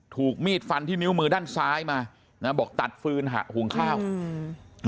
ถูกมีดฟันที่นิ้วมือด้านซ้ายมานะบอกตัดฟืนหะหุงข้าวอืม